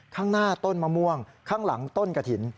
ข้างหน้าต้นมะม่วงข้างหลังต้นกระถิ่น